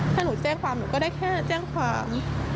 ถ้าหนูแจ้งความหนูก็ได้แค่แจ้งความ